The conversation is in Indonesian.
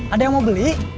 ada yang mau beli